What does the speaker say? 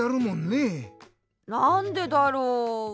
なんでだろう。